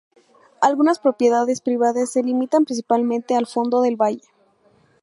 Algunas propiedades privadas se limitan principalmente al fondo del valle.